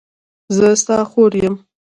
زه ستا خور یم.